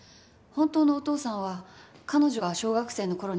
本当のお父さんは彼女が小学生の頃に亡くなったと。